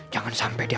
jangan sampai dia